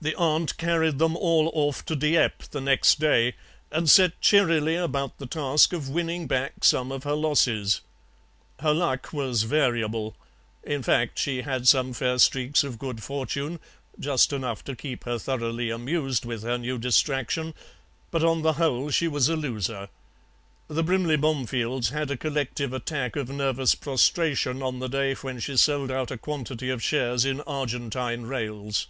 "The aunt carried them all off to Dieppe the next day and set cheerily about the task of winning back some of her losses. Her luck was variable; in fact, she had some fair streaks of good fortune, just enough to keep her thoroughly amused with her new distraction; but on the whole she was a loser. The Brimley Bomefields had a collective attack of nervous prostration on the day when she sold out a quantity of shares in Argentine rails.